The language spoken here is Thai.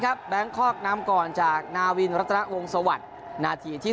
ครับแบงค์คอกนำก่อนจากนาวินรัฐนักวงสวรรค์นาทีที่